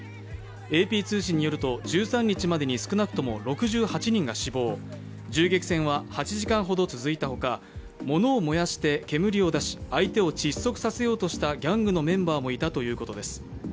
ＡＰ通信によると１３日までに少なくとも６８人が死亡、銃撃戦は８時間ほど続いたほか、物を燃やして煙を出し、相手を窒息させようとしたギャングのメンバーもいたということです。